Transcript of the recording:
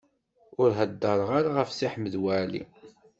Ur heddeṛ ara ɣef Si Ḥmed Waɛli.